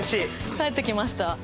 帰ってきました。